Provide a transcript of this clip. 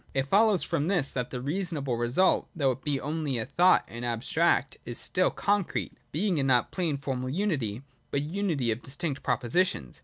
(2) It follows from this that the 'reasonable' result, though it be only a thought and abstract, is still a concrete, being not a plain formal unity, but a unity of distinct propositions.